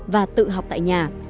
và tự học tại nhà